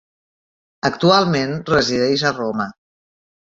Actualment resideix a Roma.